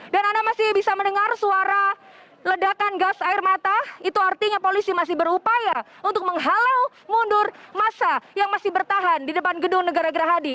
anda masih bisa mendengar suara ledakan gas air mata itu artinya polisi masih berupaya untuk menghalau mundur masa yang masih bertahan di depan gedung negara gerahadi